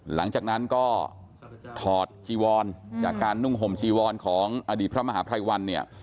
หลังจากนั้นก็ถอดจีวอนจากการนุ่งห่มจีวรของอดีตพระมหาภัยวันเนี่ย